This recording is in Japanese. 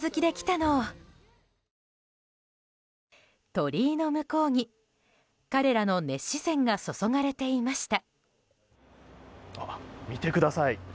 鳥居の向こうに彼らの熱視線が注がれていました。